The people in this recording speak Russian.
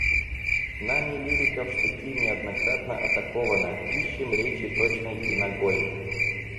Нами лирика в штыки неоднократно атакована, ищем речи точной и нагой.